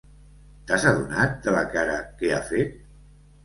T'has adonat de la cara que ha fet?